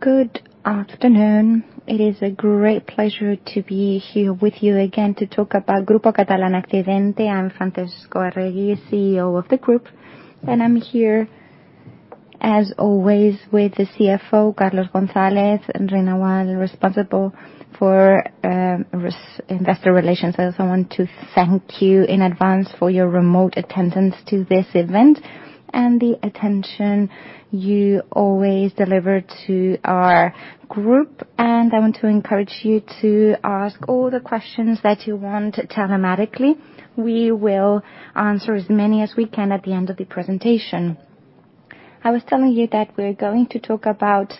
Good afternoon. It is a great pleasure to be here with you again to talk about Grupo Catalana Occidente. I'm Francisco Arregui, CEO of the group, and I'm here, as always, with the CFO, Carlos González, and Rim Nawal, responsible for investor relations. I also want to thank you in advance for your remote attendance to this event and the attention you always deliver to our group. I want to encourage you to ask all the questions that you want telematically. We will answer as many as we can at the end of the presentation. I was telling you that we're going to talk about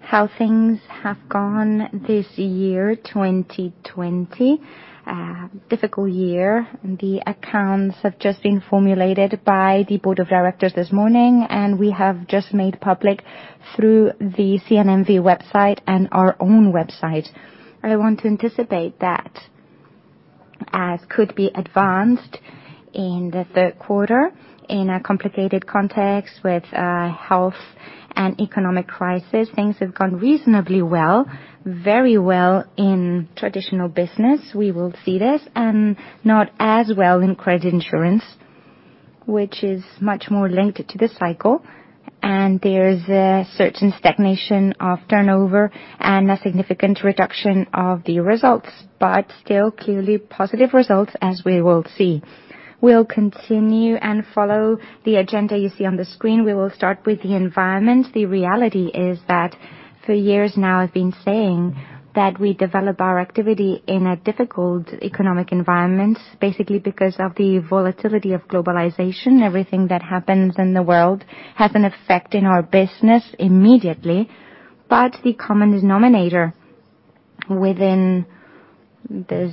how things have gone this year, 2020, a difficult year. The accounts have just been formulated by the board of directors this morning, and we have just made public through the CNMV website and our own website. I want to anticipate that, as could be advanced in the third quarter, in a complicated context with health and economic crisis, things have gone reasonably well. Very well in traditional business, we will see this, and not as well in credit insurance, which is much more linked to the cycle. There is a certain stagnation of turnover and a significant reduction of the results, but still clearly positive results, as we will see. We'll continue and follow the agenda you see on the screen. We will start with the environment. The reality is that for years now I've been saying that we develop our activity in a difficult economic environment, basically because of the volatility of globalization. Everything that happens in the world has an effect in our business immediately. The common denominator within this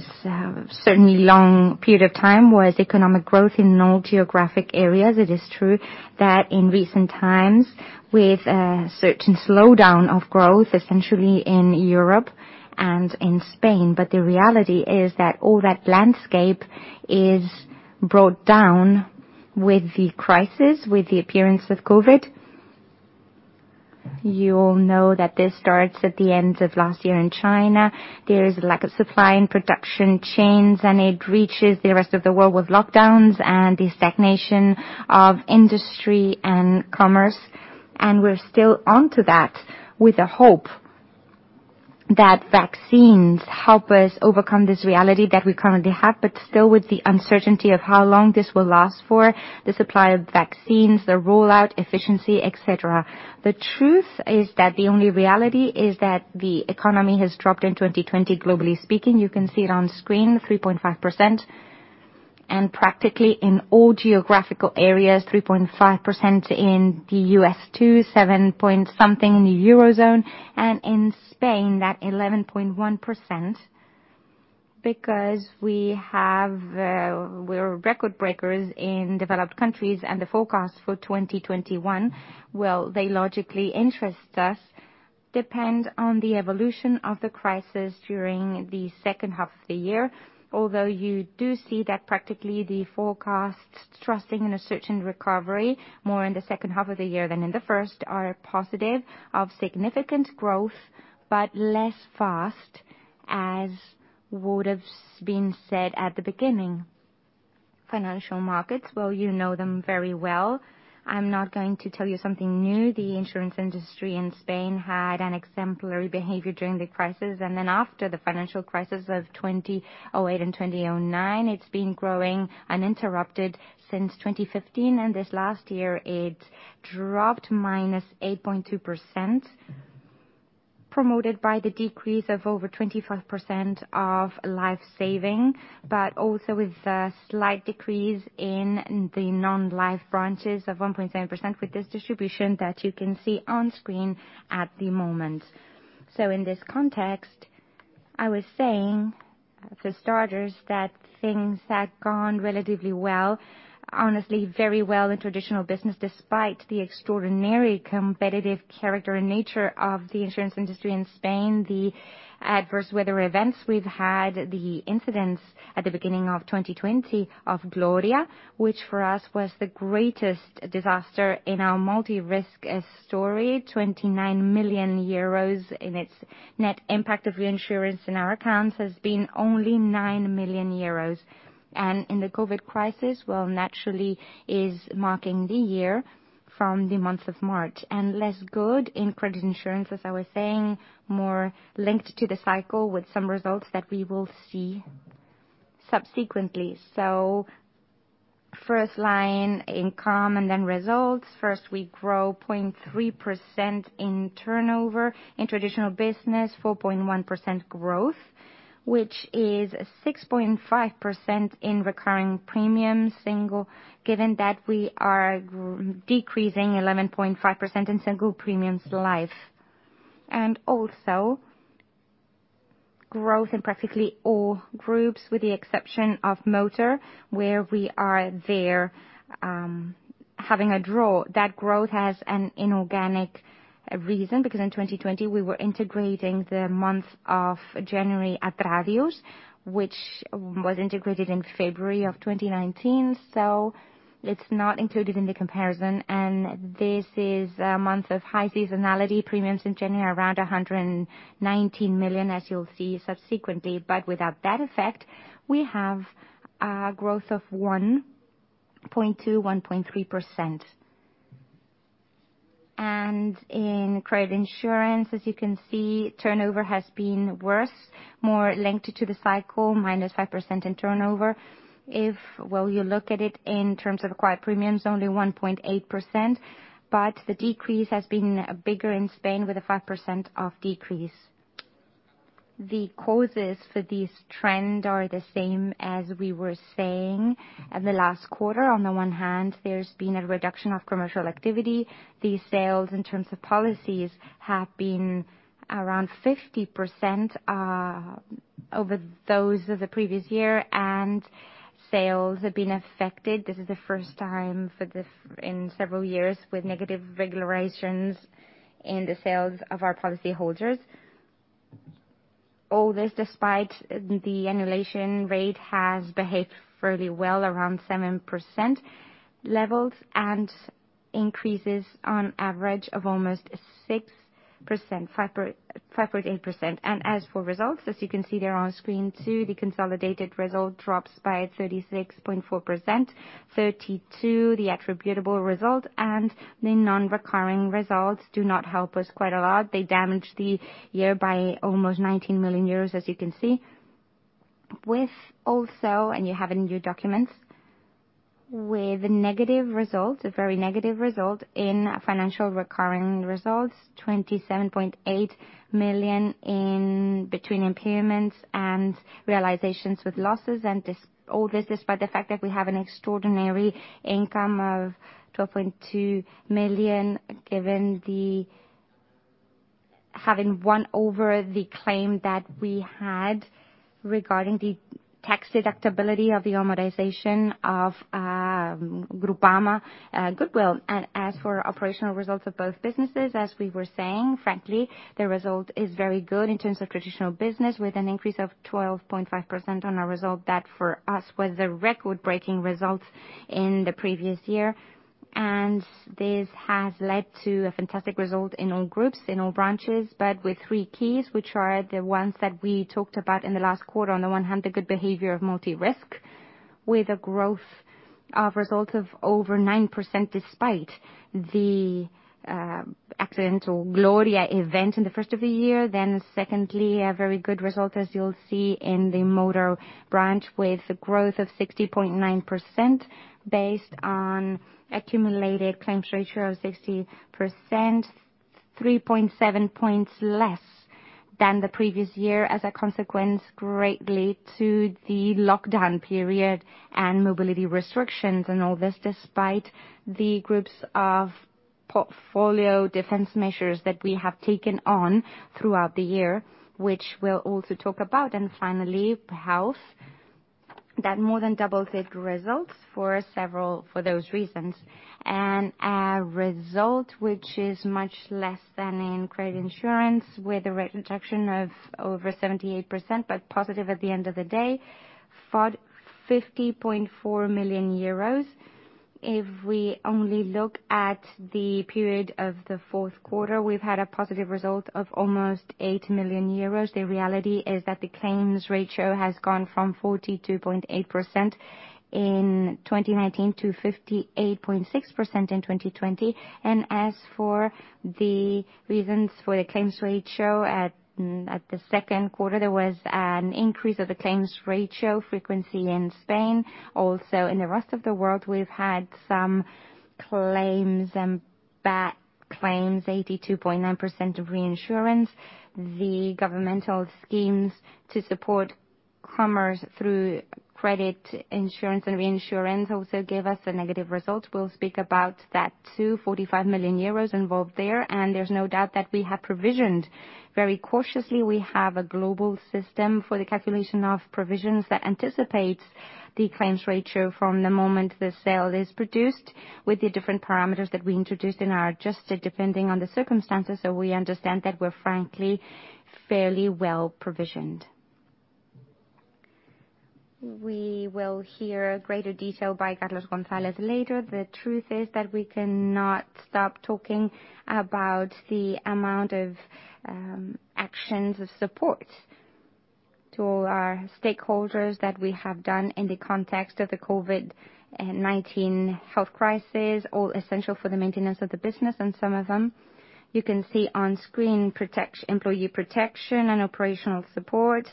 certainly long period of time was economic growth in all geographic areas. It is true that in recent times, with a certain slowdown of growth, essentially in Europe and in Spain. The reality is that all that landscape is brought down with the crisis, with the appearance of COVID. You all know that this starts at the end of last year in China. There is a lack of supply and production chains, it reaches the rest of the world with lockdowns and the stagnation of industry and commerce. We're still onto that with a hope that vaccines help us overcome this reality that we currently have, but still with the uncertainty of how long this will last for, the supply of vaccines, the rollout efficiency, et cetera. The truth is that the only reality is that the economy has dropped in 2020, globally speaking. You can see it on screen, 3.5%. Practically in all geographical areas, 3.5% in the U.S. too, seven point something in the Eurozone, and in Spain, that 11.1%, because we're record breakers in developed countries. The forecast for 2021, well, they logically interest us, depend on the evolution of the crisis during the second half of the year. Although you do see that practically the forecasts, trusting in a certain recovery, more in the second half of the year than in the first, are positive of significant growth, but less fast as would've been said at the beginning. Financial markets, well, you know them very well. I'm not going to tell you something new. The insurance industry in Spain had an exemplary behavior during the crisis. After the financial crisis of 2008 and 2009, it's been growing uninterrupted since 2015. This last year, it dropped -8.2%, promoted by the decrease of over 25% of life saving, but also with a slight decrease in the non-life branches of 1.7% with this distribution that you can see on screen at the moment. In this context, I was saying for starters that things had gone relatively well. Honestly, very well in traditional business, despite the extraordinary competitive character and nature of the insurance industry in Spain. The adverse weather events we've had, the incidents at the beginning of 2020 of Storm Gloria, which for us was the greatest disaster in our multi-risk story. 29 million euros in its net impact of reinsurance in our accounts has been only 9 million euros. In the COVID crisis, well, naturally is marking the year from the month of March. Less good in credit insurance, as I was saying, more linked to the cycle with some results that we will see subsequently. First line income and then results. First, we grow 0.3% in turnover. In traditional business, 4.1% growth, which is 6.5% in recurring premiums, given that we are decreasing 11.5% in single premiums Life. Also growth in practically all groups, with the exception of motor, where we are there having a draw. That growth has an inorganic reason, because in 2020, we were integrating the month of January Atradius, which was integrated in February of 2019, so it's not included in the comparison. This is a month of high seasonality. Premiums in January are around 119 million, as you'll see subsequently. Without that effect, we have a growth of 1.2%, 1.3%. In credit insurance, as you can see, turnover has been worse, more linked to the cycle, -5% in turnover. If you look at it in terms of acquired premiums, only 1.8%, but the decrease has been bigger in Spain with a 5% of decrease. The causes for this trend are the same as we were saying in the last quarter. On the one hand, there's been a reduction of commercial activity. The sales in terms of policies have been around 50% over those of the previous year, and sales have been affected. This is the first time in several years with negative regularizations in the sales of our policyholders. All this despite the annulation rate has behaved fairly well, around 7% levels, and increases on average of almost 6%, 5.8%. As for results, as you can see there on screen too, the consolidated result drops by 36.4%, 32%, the attributable result, and the non-recurring results do not help us quite a lot. They damage the year by almost 19 million euros, as you can see. With also, and you have it in your documents, with negative result, a very negative result in financial recurring results, 27.8 million between impairments and realizations with losses. All this despite the fact that we have an extraordinary income of 12.2 million, given having won over the claim that we had regarding the tax deductibility of the amortization of Groupama goodwill. As for operational results of both businesses, as we were saying, frankly, the result is very good in terms of traditional business, with an increase of 12.5% on a result that for us was a record-breaking result in the previous year. This has led to a fantastic result in all groups, in all branches, but with three keys, which are the ones that we talked about in the last quarter. On the one hand, the good behavior of multi-risk, with a growth of results of over 9% despite the accidental Storm Gloria in the first of the year. Secondly, a very good result as you'll see in the motor branch, with a growth of 60.9% based on accumulated claims ratio of 60%, 3.7 percentage points less than the previous year, as a consequence greatly to the lockdown period and mobility restrictions. All this despite the groups of portfolio defense measures that we have taken on throughout the year, which we'll also talk about. Finally, health, that more than doubled its results for those reasons. A result which is much less than in credit insurance, with a reduction of over 78%, but positive at the end of the day, 50.4 million euros. If we only look at the period of the fourth quarter, we've had a positive result of almost 8 million euros. The reality is that the claims ratio has gone from 42.8% in 2019 to 58.6% in 2020. As for the reasons for the claims ratio at the second quarter, there was an increase of the claims ratio frequency in Spain. Also in the rest of the world, we've had some claims and bad claims, 82.9% of reinsurance. The governmental schemes to support commerce through credit insurance and reinsurance also gave us a negative result. We'll speak about that too, 45 million euros involved there. There's no doubt that we have provisioned very cautiously. We have a global system for the calculation of provisions that anticipates the claims ratio from the moment the sale is produced with the different parameters that we introduced and are adjusted depending on the circumstances. We understand that we're frankly fairly well-provisioned. We will hear greater detail by Carlos González later. The truth is that we cannot stop talking about the amount of actions of support to all our stakeholders that we have done in the context of the COVID-19 health crisis, all essential for the maintenance of the business. Some of them you can see on screen, employee protection and operational support,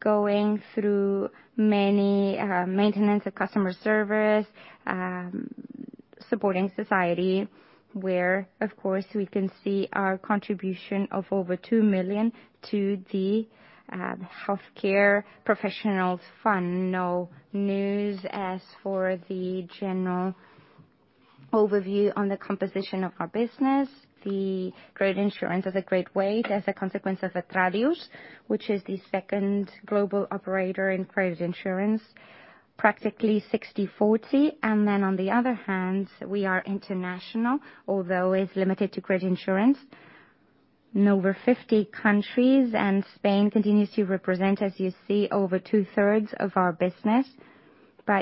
going through many maintenance of customer service, supporting society, where of course we can see our contribution of over 2 million to the healthcare professionals fund. No news as for the general overview on the composition of our business. The credit insurance has a great weight as a consequence of Atradius, which is the second global operator in credit insurance, practically 60/40. On the other hand, we are international, although it's limited to credit insurance. In over 50 countries, Spain continues to represent, as you see, over two-thirds of our business.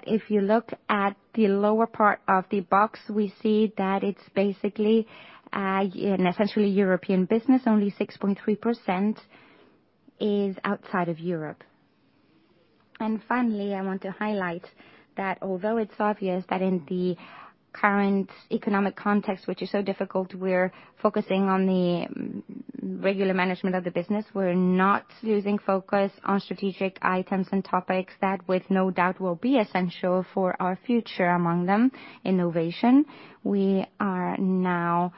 If you look at the lower part of the box, we see that it's basically an essentially European business. Only 6.3% is outside of Europe. Finally, I want to highlight that although it's obvious that in the current economic context, which is so difficult, we're focusing on the regular management of the business. We're not losing focus on strategic items and topics that with no doubt will be essential for our future. Among them, innovation. We are now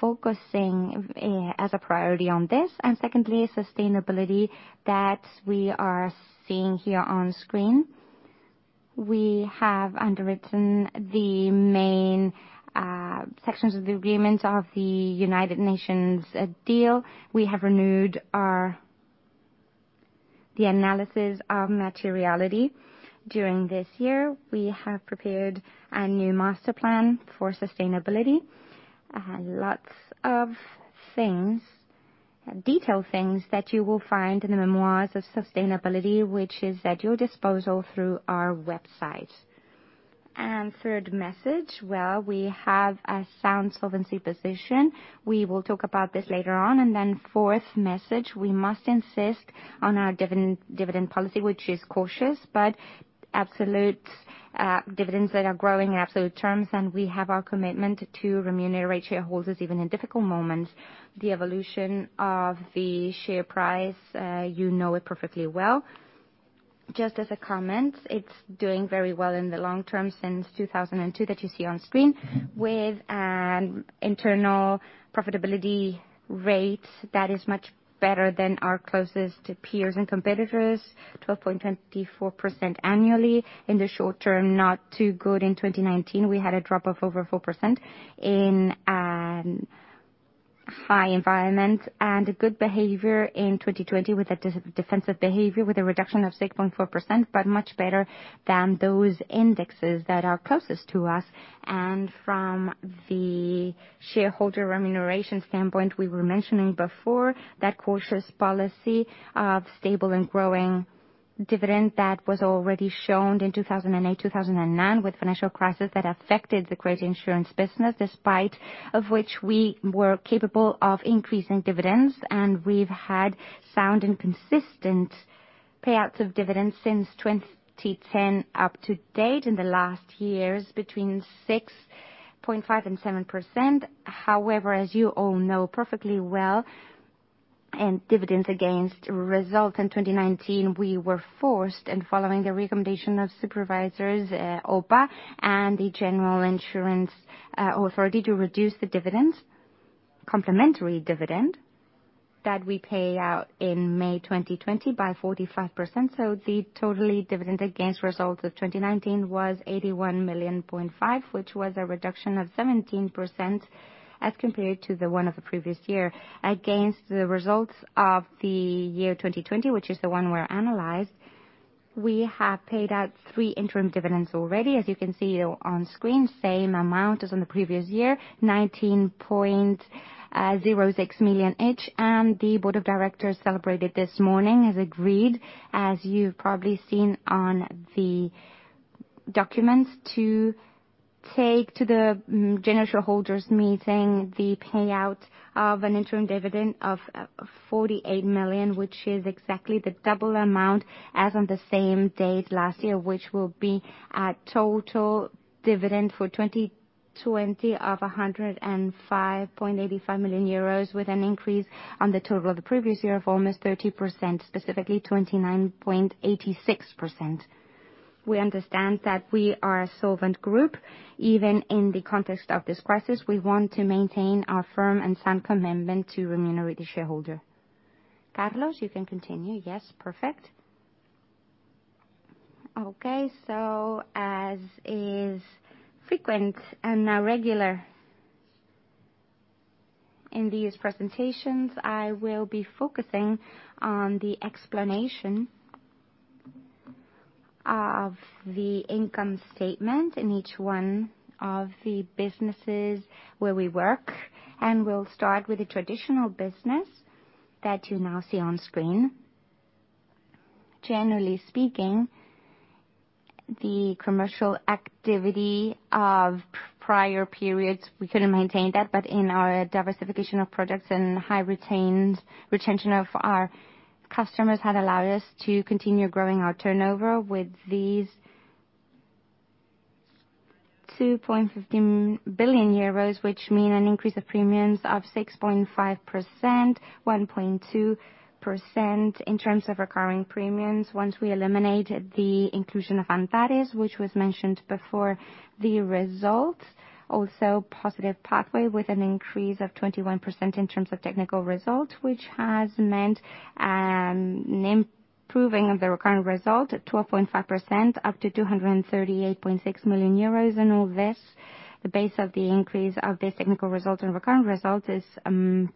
focusing as a priority on this. Secondly, sustainability that we are seeing here on screen. We have underwritten the main sections of the agreement of the United Nations deal. We have renewed the analysis of materiality. During this year, we have prepared a new master plan for sustainability. Lots of detailed things that you will find in the memoirs of sustainability, which is at your disposal through our website. Third message, well, we have a sound solvency position. We will talk about this later on. Fourth message, we must insist on our dividend policy, which is cautious, but absolute dividends that are growing in absolute terms, and we have our commitment to remunerate shareholders even in difficult moments. The evolution of the share price, you know it perfectly well. Just as a comment, it's doing very well in the long term since 2002 that you see on screen, with an internal profitability rate that is much better than our closest peers and competitors, 12.24% annually. In the short term, not too good in 2019. We had a drop of over 4% in a high environment and a good behavior in 2020 with a defensive behavior with a reduction of 6.4%, but much better than those indexes that are closest to us. From the shareholder remuneration standpoint, we were mentioning before that cautious policy of stable and growing dividend that was already shown in 2008, 2009 with financial crisis that affected the credit insurance business, despite of which we were capable of increasing dividends. And we've had sound and consistent payouts of dividends since 2010 up to date in the last years, between 6.5% and 7%. However, as you all know perfectly well, dividends against results in 2019, we were forced, and following the recommendation of supervisors, EIOPA and the General Insurance Authority, to reduce the complementary dividend that we pay out in May 2020 by 45%. The total dividend against results of 2019 was 81.5 million, which was a reduction of 17% as compared to the one of the previous year. Against the results of the year 2020, which is the one we analyzed, we have paid out three interim dividends already. As you can see on screen, same amount as on the previous year, 19.06 million each. The board of directors celebrated this morning as agreed, as you've probably seen on the documents, to take to the general shareholders meeting the payout of an interim dividend of 48 million, which is exactly the double amount as on the same date last year, which will be a total dividend for 2020 of 105.85 million euros, with an increase on the total of the previous year of almost 30%, specifically 29.86%. We understand that we are a solvent group. Even in the context of this crisis, we want to maintain our firm and sound commitment to remunerate the shareholder. Carlos, you can continue. Yes, perfect. As is frequent and now regular in these presentations, I will be focusing on the explanation of the income statement in each one of the businesses where we work. We'll start with the traditional business that you now see on screen. Generally speaking, the commercial activity of prior periods, we could have maintained that, but in our diversification of products and high retention of our customers had allowed us to continue growing our turnover with these 2.15 billion euros, which mean an increase of premiums of 6.5%, 1.2% in terms of recurring premiums. Once we eliminate the inclusion of Antares, which was mentioned before, the results also positive pathway with an increase of 21% in terms of technical results, which has meant an improving of the recurring result, 12.5% up to 238.6 million euros. All this, the base of the increase of the technical result and recurring result is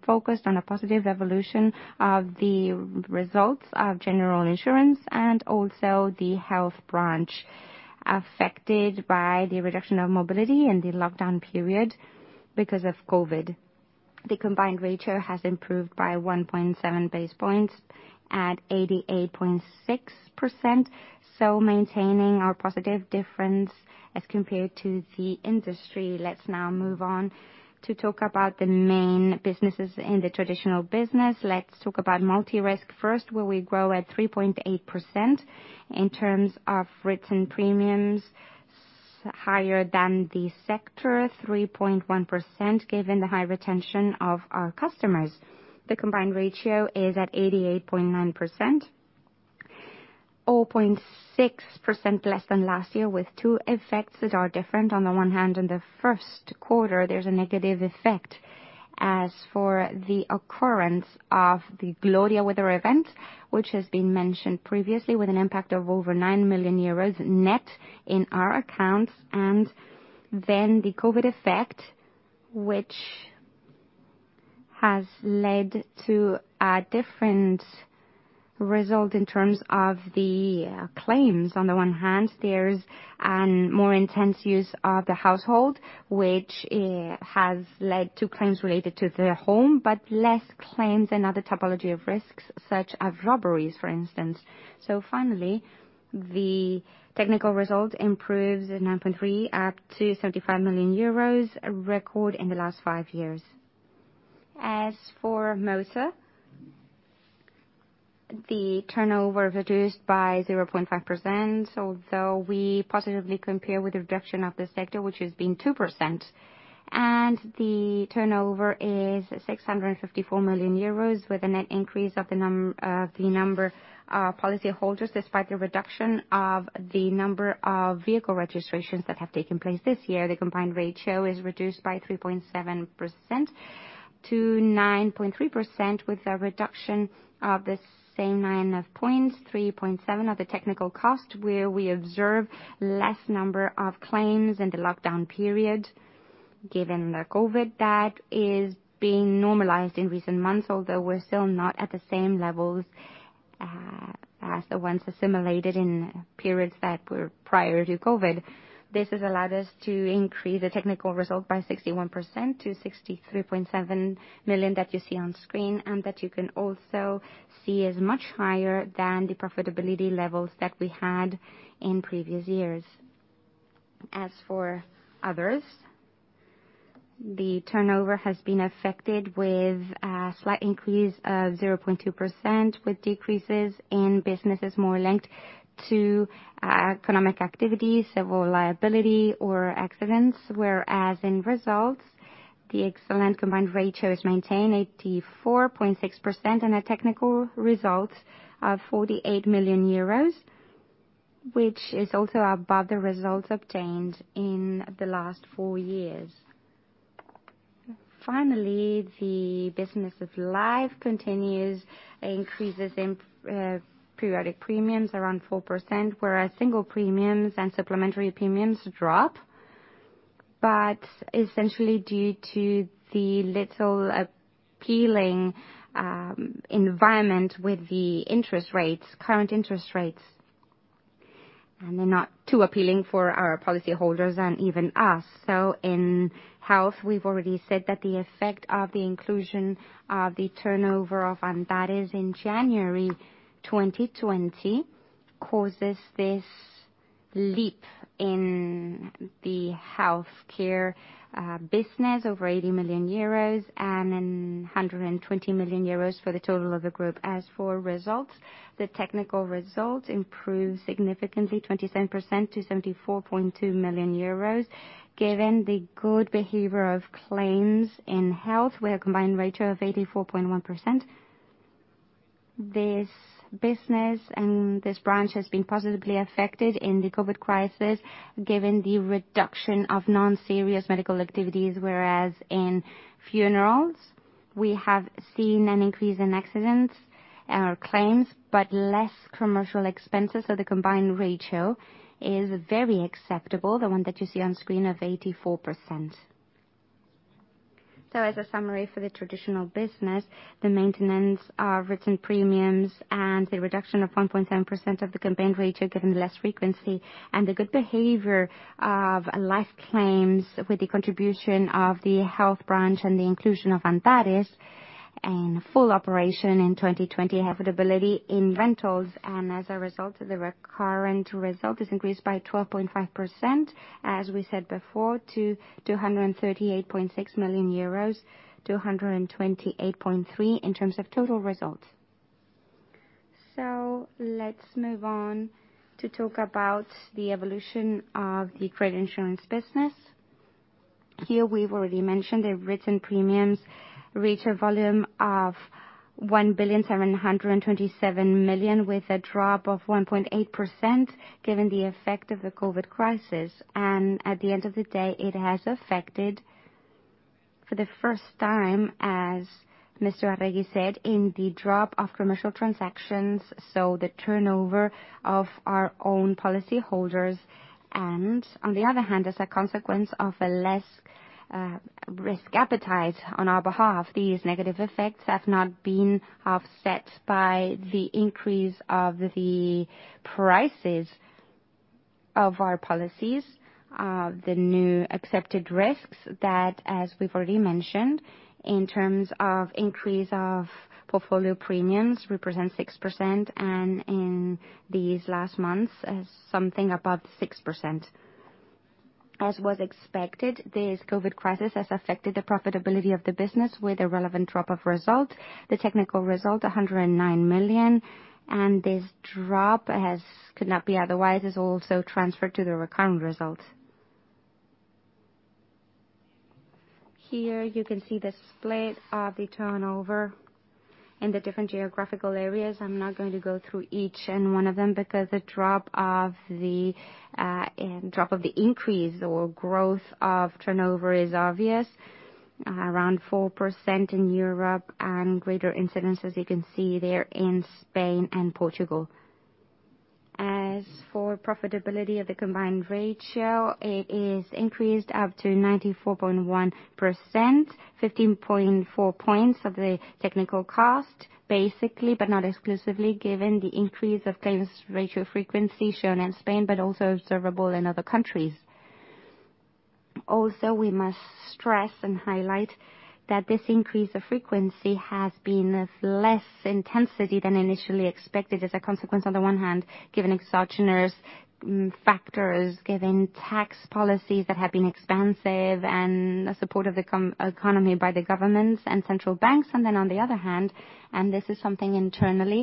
focused on a positive evolution of the results of general insurance and also the health branch, affected by the reduction of mobility and the lockdown period because of COVID. The combined ratio has improved by 1.7 [percentage points at 88.6%, so maintaining our positive difference as compared to the industry. Let's now move on to talk about the main businesses in the traditional business. Let's talk about multi-risk first, where we grow at 3.8% in terms of written premiums, higher than the sector, 3.1%, given the high retention of our customers. The combined ratio is at 88.9%, 0.6% less than last year, with two effects that are different. On the one hand, in the first quarter, there's a negative effect. As for the occurrence of the Storm Gloria, which has been mentioned previously with an impact of over 9 million euros net in our accounts, and then the COVID effect, which has led to a different result in terms of the claims. On the one hand, there is a more intense use of the household, which has led to claims related to the home, but less claims in other topology of risks, such as robberies, for instance. Finally, the technical result improves 9.3% up to 75 million euros, a record in the last five years. As for Motor, the turnover reduced by 0.5%, although we positively compare with the reduction of the sector, which has been 2%. The turnover is 654 million euros, with a net increase of the number of policyholders, despite the reduction of the number of vehicle registrations that have taken place this year. The combined ratio is reduced by 3.7%-9.3%, with a reduction of the same line of points, 3.7% of the technical cost, where we observe less number of claims in the lockdown period. Given the COVID, that is being normalized in recent months, although we're still not at the same levels as the ones assimilated in periods that were prior to COVID. This has allowed us to increase the technical result by 61% to 63.7 million that you see on screen and that you can also see is much higher than the profitability levels that we had in previous years. As for others, the turnover has been affected with a slight increase of 0.2%, with decreases in businesses more linked to economic activities, civil liability or accidents. Whereas in results, the excellent combined ratio is maintained 84.6%, and a technical result of 48 million euros, which is also above the results obtained in the last four years. Finally, the business of Life continues increases in periodic premiums around 4%, whereas single premiums and supplementary premiums drop, but essentially due to the little appealing environment with the current interest rates, and they're not too appealing for our policyholders and even us. In Health, we've already said that the effect of the inclusion of the turnover of Antares in January 2020 causes this leap in the healthcare business over 80 million euros and 120 million euros for the total of the group. As for results, the technical results improve significantly 27% to 74.2 million euros, given the good behavior of claims in Health with a combined ratio of 84.1%. This business and this branch has been positively affected in the COVID crisis, given the reduction of non-serious medical activities, whereas in Funerals, we have seen an increase in accidents and our claims, but less commercial expenses. The combined ratio is very acceptable, the one that you see on screen of 84%. As a summary for the traditional business, the maintenance of written premiums and the reduction of 1.7% of the combined ratio given less frequency and the good behavior of Life claims with the contribution of the health branch and the inclusion of Antares in full operation in 2020 profitability in rentals. As a result, the recurrent result is increased by 12.5%, as we said before, to 238.6 million-128.3 million euros in terms of total results. Let's move on to talk about the evolution of the credit insurance business. Here we've already mentioned the written premiums reach a volume of 1.727 billion with a drop of 1.8% given the effect of the COVID crisis. At the end of the day, it has affected for the first time, as Mr. Arregui said, in the drop of commercial transactions, so the turnover of our own policyholders. On the other hand, as a consequence of a less risk appetite on our behalf, these negative effects have not been offset by the increase of the prices of our policies, the new accepted risks that as we've already mentioned, in terms of increase of portfolio premiums, represent 6%, and in these last months, something above 6%. As was expected, this COVID crisis has affected the profitability of the business with a relevant drop of result. The technical result, 109 million, and this drop, as could not be otherwise, is also transferred to the recurrent result. Here you can see the split of the turnover in the different geographical areas. I'm not going to go through each and one of them because the drop of the increase or growth of turnover is obvious. Around 4% in Europe and greater incidence, as you can see there, in Spain and Portugal. As for profitability of the combined ratio, it is increased up to 94.1%, 15.4 percentage points of the technical cost, basically, but not exclusively, given the increase of claims ratio frequency shown in Spain, but also observable in other countries. Also, we must stress and highlight that this increase of frequency has been of less intensity than initially expected as a consequence, on the one hand, given exogenous factors, given tax policies that have been expansive, and the support of the economy by the governments and central banks. Then on the other hand, and this is something internal,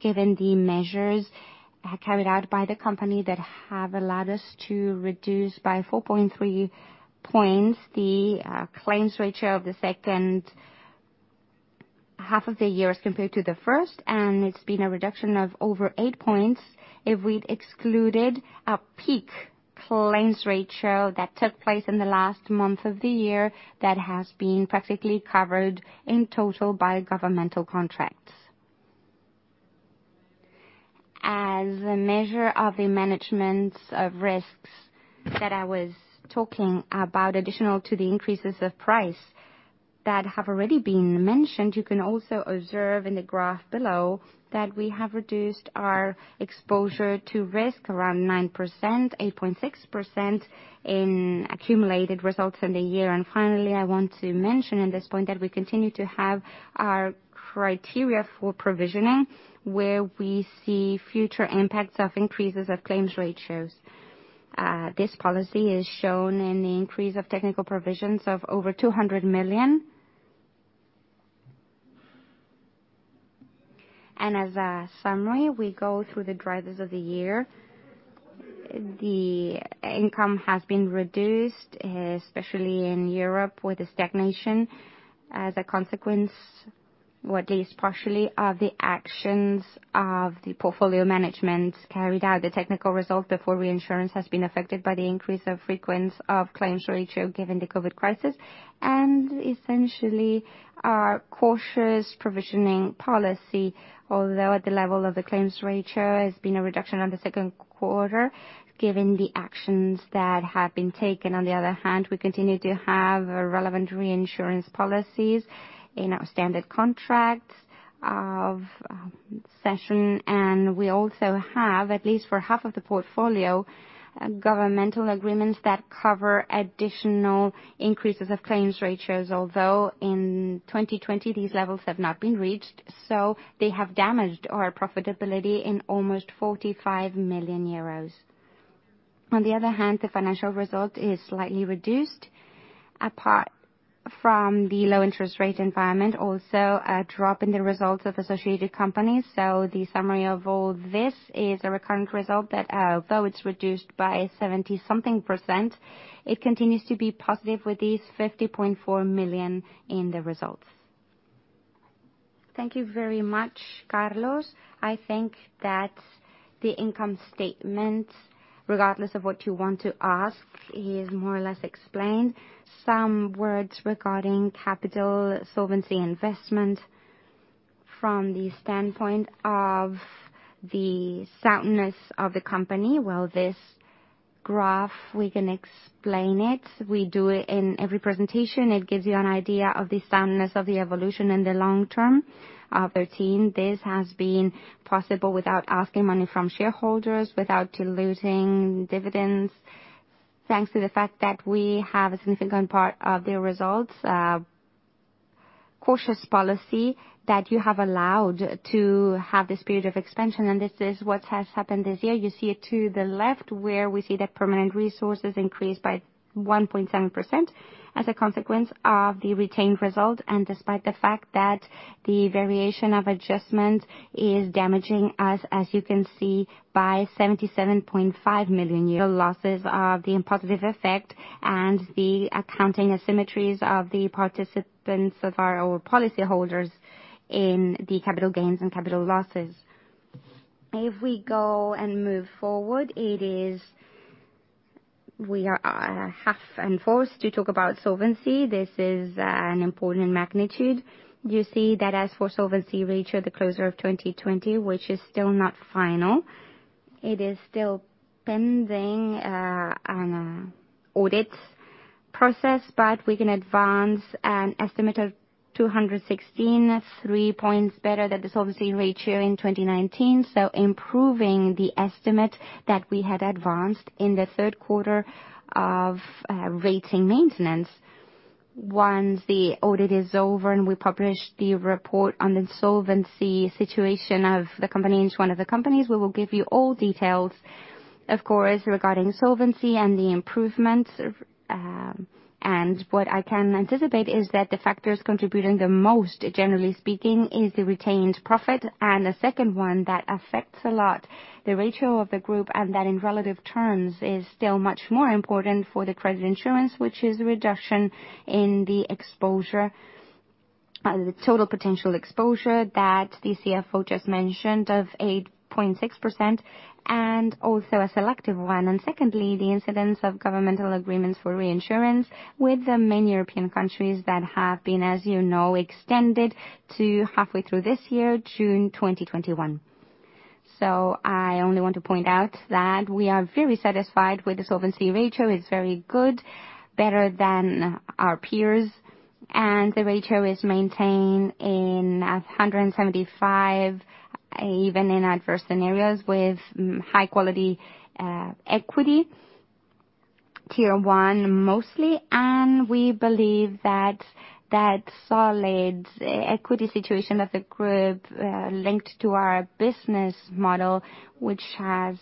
given the measures carried out by the company that have allowed us to reduce by 4.3 percentage points the claims ratio of the second half of the year as compared to the first. It's been a reduction of over 8 percentage points if we'd excluded a peak claims ratio that took place in the last month of the year, that has been practically covered in total by governmental contracts. As a measure of the management of risks that I was talking about, additional to the increases of price that have already been mentioned, you can also observe in the graph below that we have reduced our exposure to risk around 9%, 8.6% in accumulated results in the year. Finally, I want to mention at this point that we continue to have our criteria for provisioning, where we see future impacts of increases of claims ratios. This policy is shown in the increase of technical provisions of over 200 million. As a summary, we go through the drivers of the year. The income has been reduced, especially in Europe with stagnation. As a consequence, what is partially of the actions of the portfolio management carried out. The technical result before reinsurance has been affected by the increase of frequency of claims ratio given the COVID crisis, and essentially, our cautious provisioning policy, although at the level of the claims ratio, has been a reduction on the second quarter given the actions that have been taken. We continue to have relevant reinsurance policies in our standard contracts of session, and we also have, at least for half of the portfolio, governmental agreements that cover additional increases of claims ratios. In 2020, these levels have not been reached, they have damaged our profitability in almost 45 million euros. The financial result is slightly reduced. Apart from the low interest rate environment, also a drop in the results of associated companies. The summary of all this is a recurrent result that although it's reduced by 70 something percent, it continues to be positive with these 50.4 million in the results. Thank you very much, Carlos. I think that the income statement, regardless of what you want to ask, is more or less explained. Some words regarding capital solvency investment from the standpoint of the soundness of the company. Well, this graph, we can explain it. We do it in every presentation. It gives you an idea of the soundness of the evolution in the long term, 13. This has been possible without asking money from shareholders, without diluting dividends, thanks to the fact that we have a significant part of the results, cautious policy that you have allowed to have this period of expansion, this is what has happened this year. You see it to the left, where we see that permanent resources increased by 1.7% as a consequence of the retained result and despite the fact that the variation of adjustment is damaging us, as you can see, by 77.5 million euro losses of the positive effect and the accounting asymmetries of the participants of our policyholders in the capital gains and capital losses. If we go and move forward, we are half enforced to talk about solvency. This is an important magnitude. You see that as for solvency ratio, the closure of 2020, which is still not final. It is still pending audit process, but we can advance an estimate of 216%, 3 percentage points better than the solvency ratio in 2019. Improving the estimate that we had advanced in the third quarter of rating maintenance. Once the audit is over and we publish the report on the solvency situation of each one of the companies, we will give you all details, of course, regarding solvency and the improvements. What I can anticipate is that the factors contributing the most, generally speaking, is the retained profit. The second one, that affects a lot the ratio of the group, and that in relative terms is still much more important for the credit insurance, which is a reduction in the total potential exposure that the CFO just mentioned of 8.6%, and also a selective one. Secondly, the incidence of governmental agreements for reinsurance with the main European countries that have been, as you know, extended to halfway through this year, June 2021. I only want to point out that we are very satisfied with the solvency ratio. It's very good, better than our peers. The ratio is maintained in 175%, even in adverse scenarios with high-quality equity, Tier 1 mostly. We believe that solid equity situation of the group, linked to our business model, which has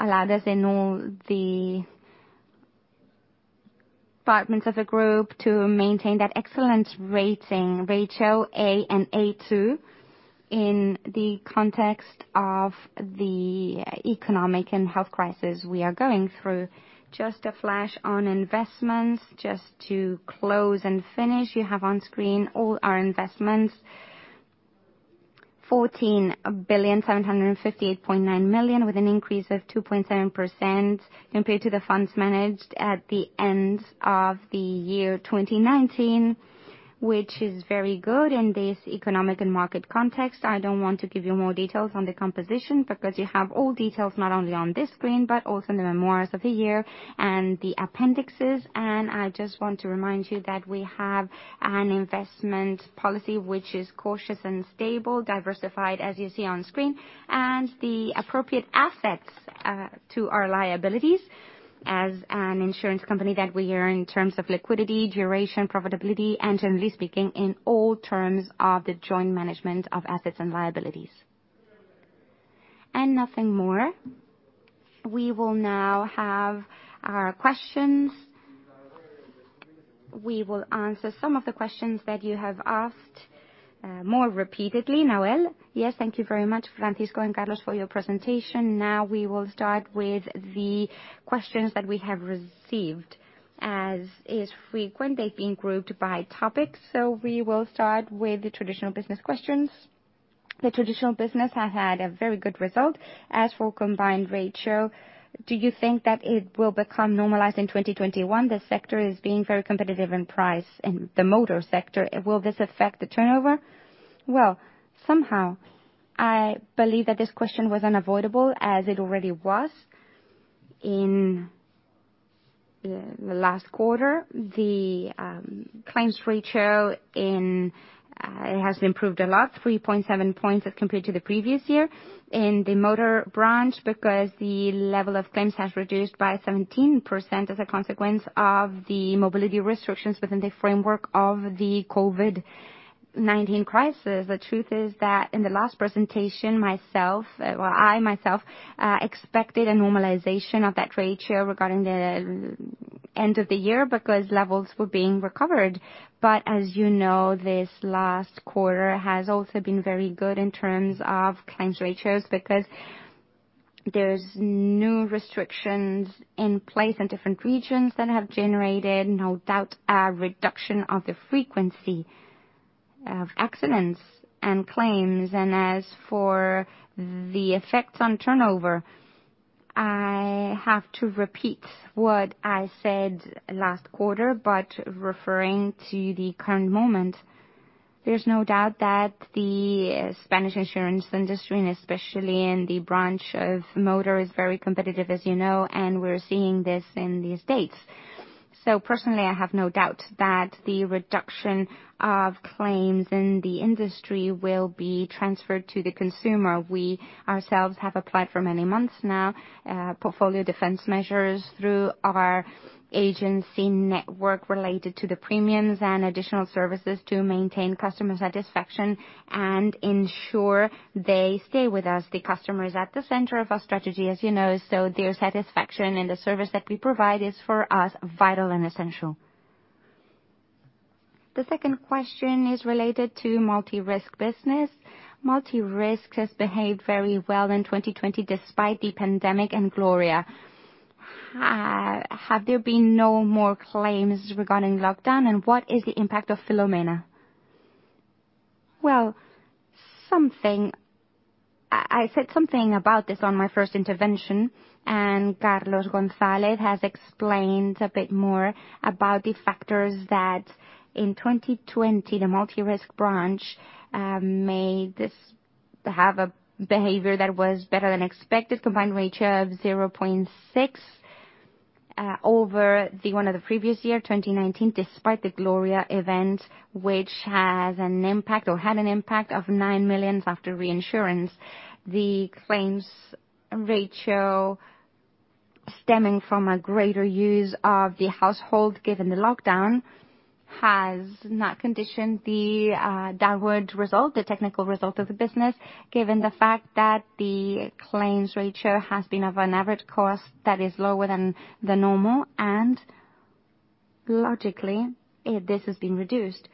allowed us in all the departments of the group to maintain that excellent rating ratio, A and A2, in the context of the economic and health crisis we are going through. Just a flash on investments, just to close and finish. You have on screen all our investments, 14,758,900,000 with an increase of 2.7% compared to the funds managed at the end of the year 2019, which is very good in this economic and market context. I don't want to give you more details on the composition because you have all details, not only on this screen, but also in the memoirs of the year and the appendixes. I just want to remind you that we have an investment policy which is cautious and stable, diversified, as you see on screen, and the appropriate assets, to our liabilities as an insurance company that we are in terms of liquidity, duration, profitability, and generally speaking, in all terms of the joint management of assets and liabilities. Nothing more. We will now have our questions. We will answer some of the questions that you have asked more repeatedly. Nawal. Yes, thank you very much, Francisco and Carlos, for your presentation. Now we will start with the questions that we have received. As is frequent, they've been grouped by topic. We will start with the traditional business questions. The traditional business has had a very good result. As for combined ratio, do you think that it will become normalized in 2021? The sector is being very competitive in price in the motor sector. Will this affect the turnover? Well, somehow, I believe that this question was unavoidable, as it already was in the last quarter. The claims ratio, it has improved a lot, 3.7 percentage points as compared to the previous year in the motor branch because the level of claims has reduced by 17% as a consequence of the mobility restrictions within the framework of the COVID-19 crisis. The truth is that in the last presentation, I, myself, expected a normalization of that ratio regarding the end of the year because levels were being recovered. As you know, this last quarter has also been very good in terms of claims ratios because there's new restrictions in place in different regions that have generated, no doubt, a reduction of the frequency of accidents and claims. As for the effects on turnover, I have to repeat what I said last quarter, but referring to the current moment. There's no doubt that the Spanish insurance industry, and especially in the branch of motor, is very competitive as you know, and we're seeing this in these dates. Personally, I have no doubt that the reduction of claims in the industry will be transferred to the consumer. We ourselves have applied for many months now, portfolio defense measures through our agency network related to the premiums and additional services to maintain customer satisfaction and ensure they stay with us. The customer is at the center of our strategy, as you know. Their satisfaction in the service that we provide is, for us, vital and essential. The second question is related to multi-risk business. Multi-risk has behaved very well in 2020 despite the pandemic and Gloria. Have there been no more claims regarding lockdown? What is the impact of Filomena? I said something about this on my first intervention. Carlos González has explained a bit more about the factors that in 2020, the multi-risk branch made this to have a behavior that was better than expected, combined ratio of 0.6% over the one of the previous year, 2019, despite the Gloria event, which has an impact or had an impact of 9 million after reinsurance. The claims ratio stemming from a greater use of the household given the lockdown, has not conditioned the downward result, the technical result of the business, given the fact that the claims ratio has been of an average cost that is lower than the normal. Logically, this has been reduced.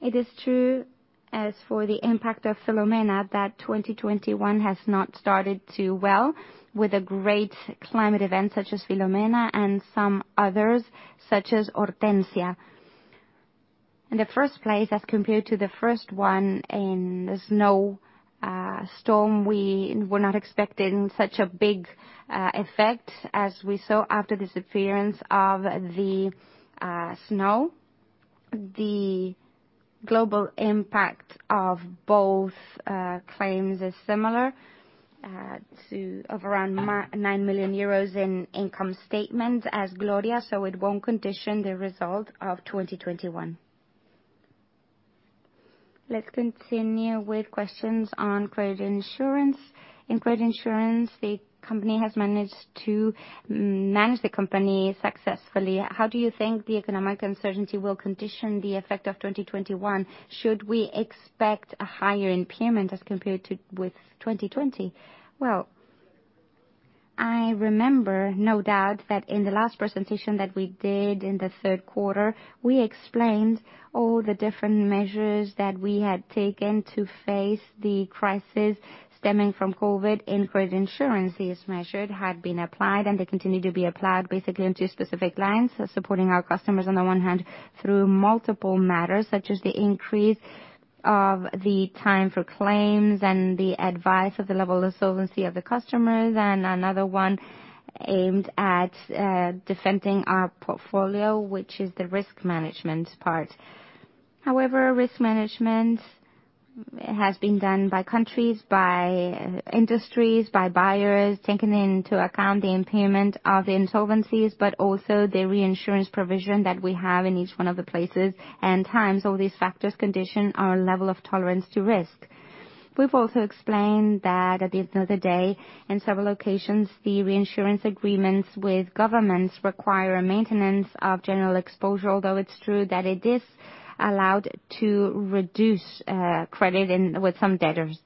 It is true as for the impact of Filomena, that 2021 has not started too well, with a great climate event such as Filomena and some others, such as Hortensia. In the first place, as compared to the first one in the snow storm, we were not expecting such a big effect as we saw after disappearance of the snow. The global impact of both claims is similar to of around 9 million euros in income statements as Gloria. It won't condition the result of 2021. Let's continue with questions on credit insurance. In credit insurance, the company has managed to manage the company successfully. How do you think the economic uncertainty will condition the effect of 2021? Should we expect a higher impairment as compared to with 2020? Well, I remember, no doubt, that in the last presentation that we did in the third quarter, we explained all the different measures that we had taken to face the crisis stemming from COVID in credit insurance. These measures had been applied, they continue to be applied basically into specific lines. Supporting our customers, on the one hand, through multiple matters, such as the increase of the time for claims and the advice of the level of solvency of the customers. Another one aimed at defending our portfolio, which is the risk management part. However, risk management has been done by countries, by industries, by buyers, taking into account the impairment of the insolvencies, but also the reinsurance provision that we have in each one of the places and times. All these factors condition our level of tolerance to risk. We've also explained that at the end of the day, in several occasions, the reinsurance agreements with governments require a maintenance of general exposure, although it's true that it is allowed to reduce credit with some debtors.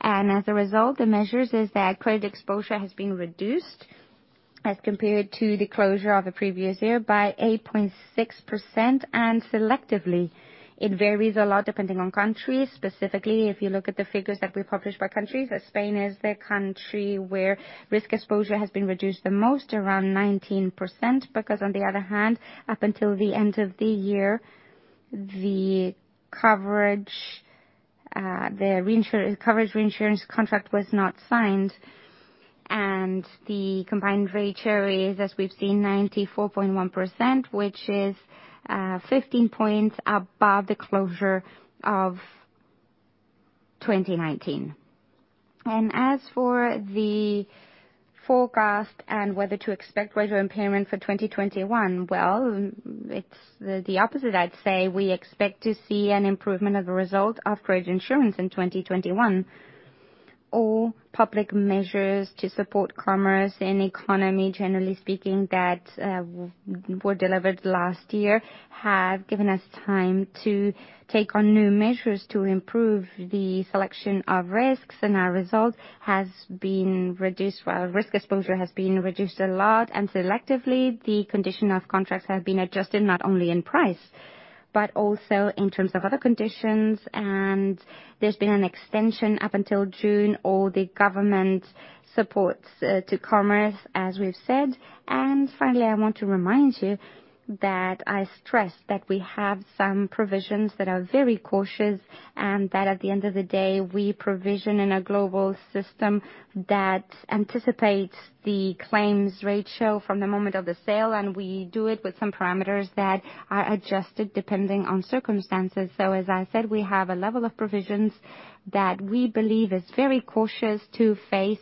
As a result, the measures is that credit exposure has been reduced as compared to the closure of the previous year by 8.6%, and selectively, it varies a lot depending on countries. Specifically, if you look at the figures that we published by countries, that Spain is the country where risk exposure has been reduced the most, around 19%, because on the other hand, up until the end of the year, the coverage reinsurance contract was not signed, and the combined ratio is, as we've seen, 94.1%, which is 15 percentage points above the closure of 2019. As for the forecast and whether to expect greater impairment for 2021, well, it's the opposite, I'd say. We expect to see an improvement of the result of credit insurance in 2021, or public measures to support commerce and economy, generally speaking, that were delivered last year, have given us time to take on new measures to improve the selection of risks, and our result has been reduced. While risk exposure has been reduced a lot and selectively, the condition of contracts have been adjusted not only in price, but also in terms of other conditions. There's been an extension up until June, all the government supports to commerce, as we've said. I want to remind you that I stress that we have some provisions that are very cautious, and that at the end of the day, we provision in a global system that anticipates the claims ratio from the moment of the sale, and we do it with some parameters that are adjusted depending on circumstances. We have a level of provisions that we believe is very cautious to face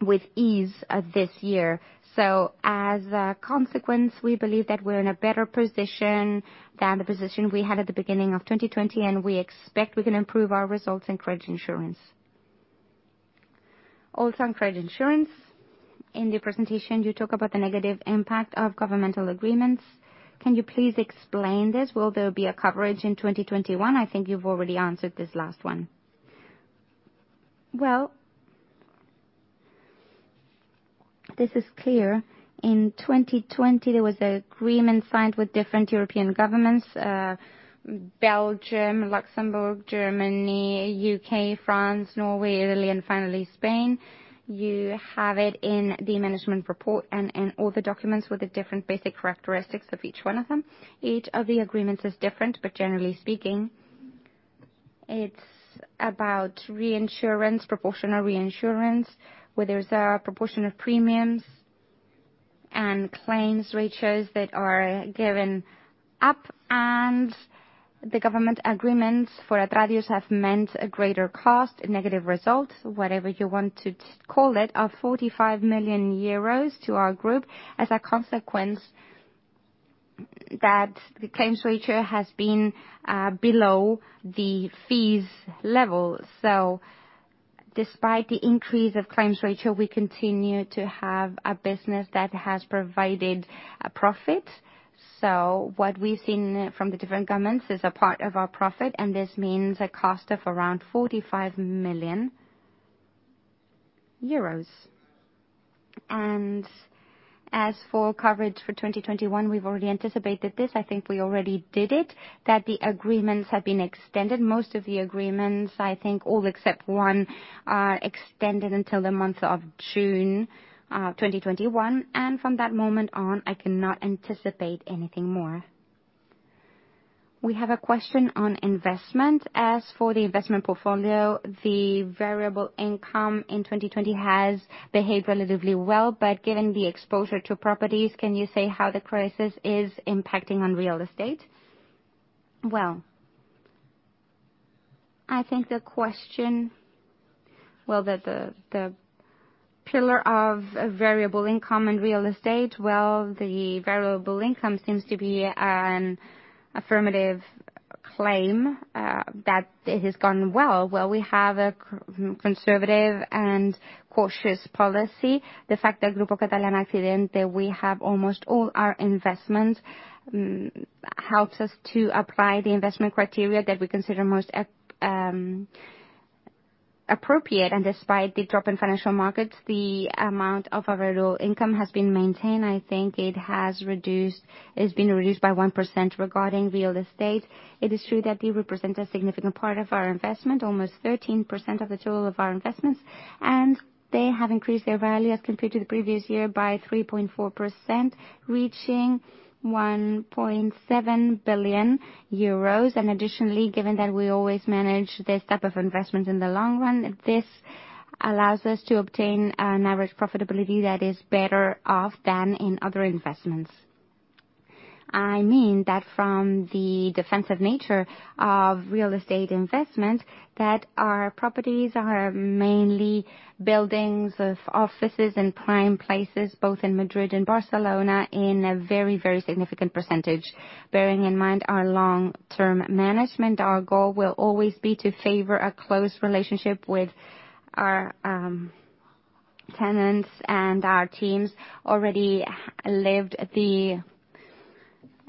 with ease this year. We believe that we're in a better position than the position we had at the beginning of 2020, and we expect we can improve our results in credit insurance. Also, on credit insurance. In the presentation, you talk about the negative impact of governmental agreements. Can you please explain this? Will there be a coverage in 2021? I think you've already answered this last one. Well, this is clear. In 2020, there was an agreement signed with different European governments, Belgium, Luxembourg, Germany, UK, France, Norway, Italy, and finally Spain. You have it in the management report and in all the documents with the different basic characteristics of each one of them. Each of the agreements is different, but generally speaking, it's about reinsurance, proportional reinsurance, where there's a proportion of premiums and claims ratios that are given up and the government agreements for Atradius have meant a greater cost, a negative result, whatever you want to call it, of 45 million euros to our group as a consequence that the claims ratio has been below the fees level. Despite the increase of claims ratio, we continue to have a business that has provided a profit. What we've seen from the different governments is a part of our profit, and this means a cost of around 45 million euros. As for coverage for 2021, we've already anticipated this. I think we already did it, that the agreements have been extended. Most of the agreements, I think all except one, are extended until the month of June 2021, and from that moment on, I cannot anticipate anything more. We have a question on investment. As for the investment portfolio, the variable income in 2020 has behaved relatively well. Given the exposure to properties, can you say how the crisis is impacting on real estate? I think the question, the pillar of variable income and real estate, well, the variable income seems to be an affirmative claim that it has gone well. We have a conservative and cautious policy. The fact that Grupo Catalana Occidente, we have almost all our investment, helps us to apply the investment criteria that we consider most appropriate. Despite the drop in financial markets, the amount of our variable income has been maintained. I think it has been reduced by 1%. Regarding real estate, it is true that they represent a significant part of our investment, almost 13% of the total of our investments, and they have increased their value as compared to the previous year by 3.4%, reaching 1.7 billion euros. Additionally, given that we always manage this type of investment in the long run, this allows us to obtain an average profitability that is better off than in other investments. I mean that from the defensive nature of real estate investment, that our properties are mainly buildings of offices in prime places, both in Madrid and Barcelona, in a very significant percentage. Bearing in mind our long-term management, our goal will always be to favor a close relationship with our tenants and our teams. Already lived the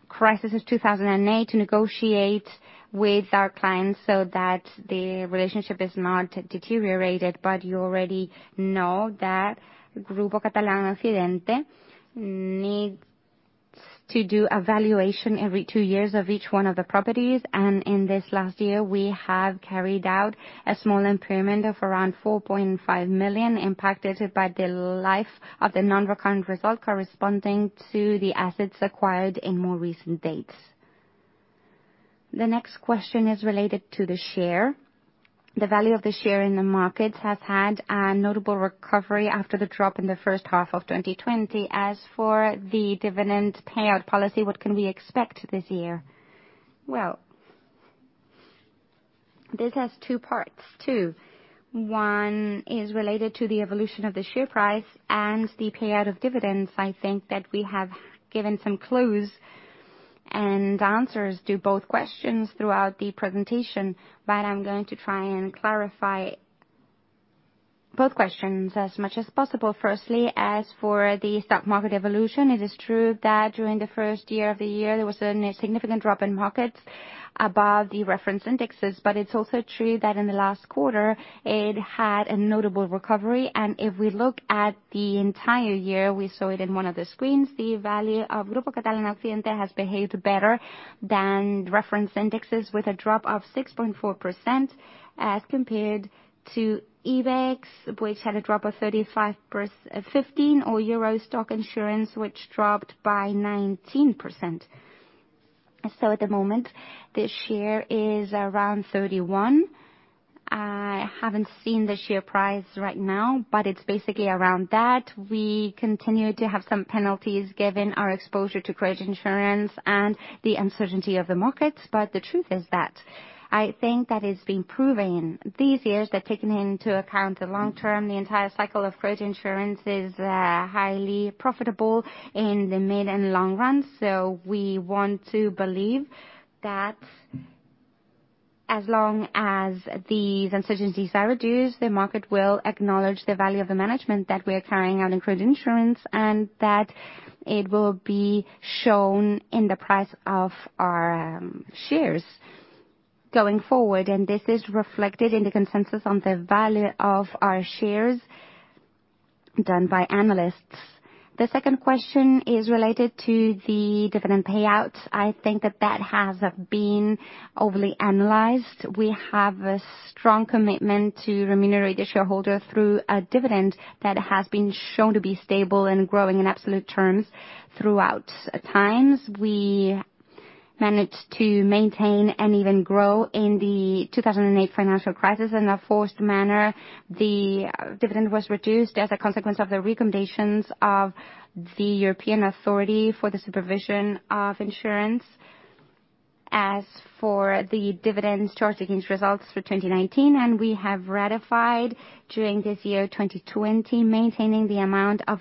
crisis of 2008, to negotiate with our clients so that the relationship is not deteriorated. You already know that Grupo Catalana Occidente needs to do a valuation every two years of each one of the properties. In this last year, we have carried out a small impairment of around 4.5 million impacted by the life of the non-recurrent result corresponding to the assets acquired in more recent dates. The next question is related to the share. The value of the share in the market has had a notable recovery after the drop in the first half of 2020. As for the dividend payout policy, what can we expect this year? Well, this has two parts. One is related to the evolution of the share price and the payout of dividends. I think that we have given some clues and answers to both questions throughout the presentation, but I'm going to try and clarify both questions as much as possible. Firstly, as for the stock market evolution, it is true that during the first year of the year, there was a significant drop in markets above the reference indexes. It's also true that in the last quarter, it had a notable recovery. If we look at the entire year, we saw it in one of the screens, the value of Grupo Catalana Occidente has behaved better than reference indexes, with a drop of 6.4%, as compared to IBEX, which had a drop of 15%, or Euro Stoxx Insurance, which dropped by 19%. At the moment, the share is around 31. I haven't seen the share price right now, but it's basically around that. We continue to have some penalties given our exposure to credit insurance and the uncertainty of the markets. The truth is that I think that it's been proven these years that taking into account the long-term, the entire cycle of credit insurance is highly profitable in the mid and long run. We want to believe that as long as these uncertainties are reduced, the market will acknowledge the value of the management that we are carrying out in credit insurance, and that it will be shown in the price of our shares going forward. This is reflected in the consensus on the value of our shares done by analysts. The second question is related to the dividend payouts. I think that that has been overly analyzed. We have a strong commitment to remunerate the shareholder through a dividend that has been shown to be stable and growing in absolute terms throughout times. We managed to maintain and even grow in the 2008 financial crisis in a forced manner. The dividend was reduced as a consequence of the recommendations of the European Authority for the Supervision of Insurance. As for the dividends charging results for 2019, we have ratified during this year 2020, maintaining the amount of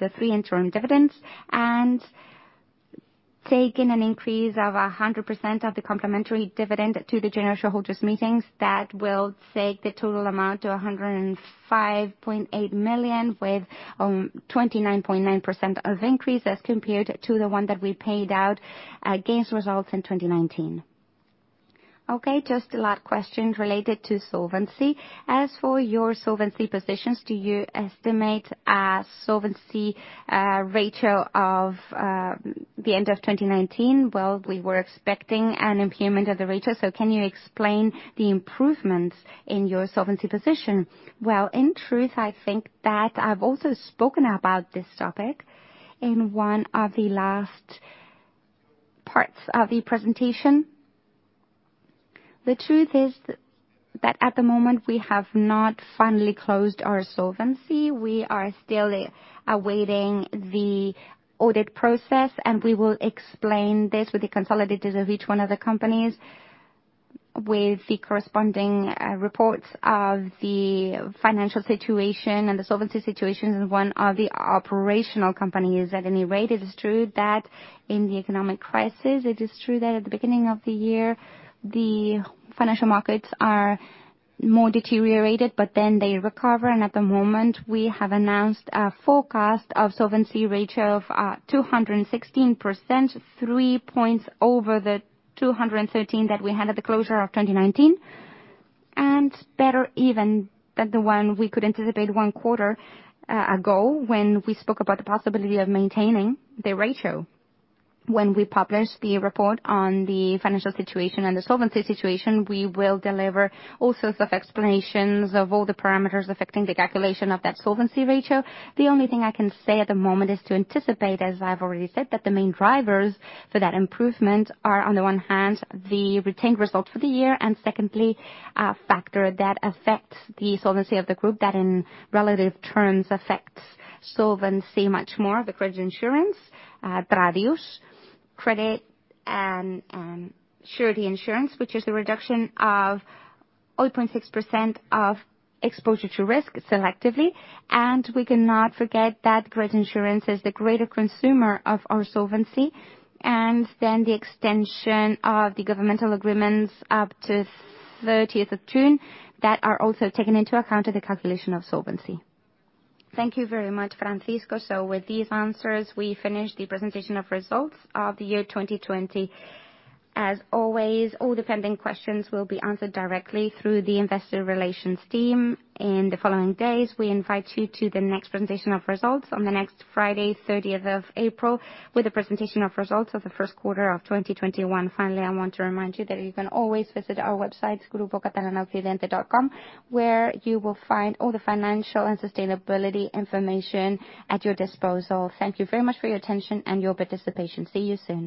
the three interim dividends, and taken an increase of 100% of the complementary dividend to the general shareholders meetings. That will take the total amount to 105.8 million with 29.9% of increase as compared to the one that we paid out against results in 2019. Okay, just the last question related to solvency. As for your solvency positions, do you estimate a solvency ratio of the end of 2019? Well, we were expecting an impairment of the ratio, so can you explain the improvements in your solvency position? Well, in truth, I think that I've also spoken about this topic in one of the last parts of the presentation. The truth is that at the moment, we have not finally closed our solvency. We are still awaiting the audit process, and we will explain this with the consolidators of each one of the companies with the corresponding reports of the financial situation and the solvency situation in one of the operational companies. At any rate, it is true that in the economic crisis, it is true that at the beginning of the year, the financial markets are more deteriorated but then they recover. At the moment, we have announced a forecast of solvency ratio of 216%, 3 percentage points over the 213% that we had at the closure of 2019, and better even than the one we could anticipate one quarter ago, when we spoke about the possibility of maintaining the ratio. When we publish the report on the financial situation and the solvency situation, we will deliver all sorts of explanations of all the parameters affecting the calculation of that solvency ratio. The only thing I can say at the moment is to anticipate, as I've already said, that the main drivers for that improvement are, on the one hand, the retained results for the year, and secondly, a factor that affects the solvency of the group that, in relative terms, affects solvency much more, the credit insurance, trade credit, and surety insurance, which is the reduction of 0.6% of exposure to risk selectively. We cannot forget that credit insurance is the greater consumer of our solvency, and then the extension of the governmental agreements up to 30th of June, that are also taken into account in the calculation of solvency. Thank you very much, Francisco. With these answers, we finish the presentation of results of the year 2020. As always, all the pending questions will be answered directly through the investor relations team in the following days. We invite you to the next presentation of results on the next Friday, 30th of April, with the presentation of results of the first quarter of 2021. I want to remind you that you can always visit our website, grupocatalanaoccidente.com, where you will find all the financial and sustainability information at your disposal. Thank you very much for your attention and your participation. See you soon.